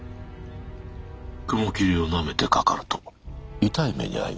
雲霧をなめてかかると痛い目に遭いますぞ。